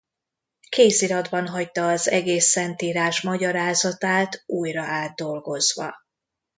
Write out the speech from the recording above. Kéziratban hagyta az egész szentírás magyarázatát újra átdolgozva.